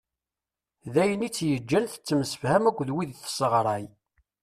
D ayen i tt-yeǧǧan tettemsefham akk d wid tesɣray.